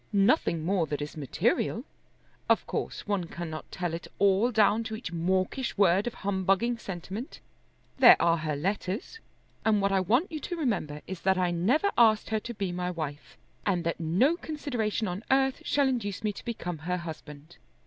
"Nothing more that is material. Of course one cannot tell it all down to each mawkish word of humbugging sentiment. There are her letters, and what I want you to remember is that I never asked her to be my wife, and that no consideration on earth shall induce me to become her husband.